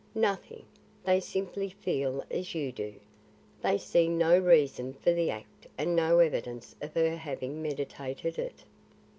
"Nothing. They simply feel as you do. They see no reason for the act and no evidence of her having meditated it.